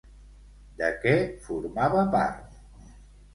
De què formava part?